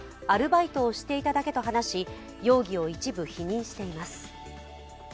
アルバイトをしていただけと話し容疑を一部否認しています。